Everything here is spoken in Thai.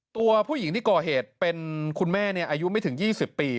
ตัวผู้หญิงที่ก่อเหตุเป็นคุณแม่อายุไม่ถึง๒๐ปี